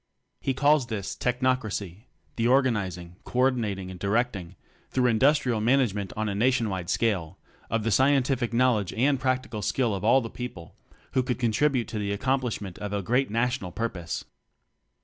He calls this "Technocracy" the organizing, co ordinating and directing through industrial management on a nation wide scale of the scientific knowledge and practical skill of all the people who could contribute to the accomplish ment of a great national purpose.